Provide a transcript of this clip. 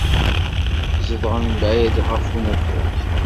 Zedɣen mebɛid ɣef unafag.